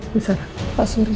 misalnya pak suri